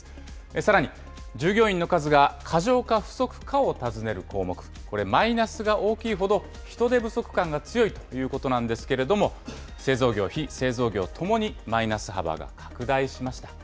さらに、従業員の数が過剰か不足かを尋ねる項目、これ、マイナスが大きいほど、人手不足感が強いということなんですけれども、製造業、非製造業ともにマイナス幅が拡大しました。